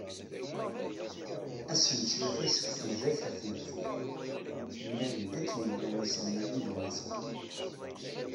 Ass n ttlata seg tnezzayt ar tmeddit, mlalen-d akken llan yiselmaden d umaswaḍ.